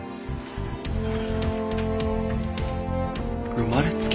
生まれつき？